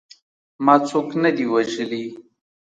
ما څوک نه دي وژلي.